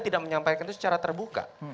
tidak menyampaikan itu secara terbuka